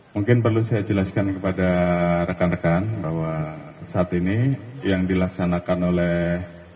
mungkin perlu saya jelaskan kepada rekan rekan bahwa saat ini yang dilaksanakan oleh